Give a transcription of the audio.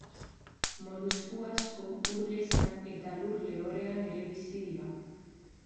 Molusku asko ur gezan eta lur-lehorrean ere bizi dira.